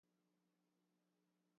全部同我趴低